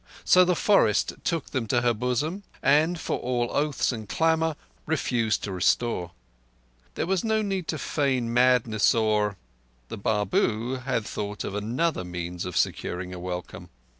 So the forest took them to her bosom, and, for all oaths and clamour, refused to restore. There was no need to feign madness or—the Babu had thought of another means of securing a welcome.